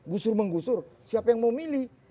gusur menggusur siapa yang mau milih